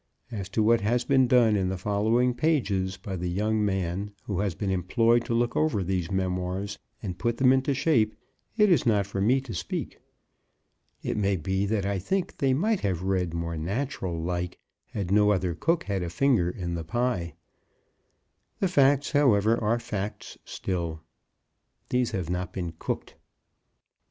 As to what has been done in the following pages by the young man who has been employed to look over these memoirs and put them into shape, it is not for me to speak. It may be that I think they might have read more natural like had no other cook had a finger in the pie. The facts, however, are facts still. These have not been cooked.